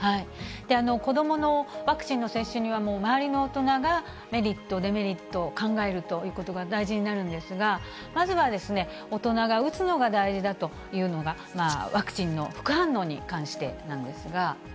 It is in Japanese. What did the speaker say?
子どものワクチンの接種はもう周りの大人がメリット、デメリットを考えるということが大事になるんですが、まずは大人が打つのが大事だというのがワクチンの副反応に関してなんですが。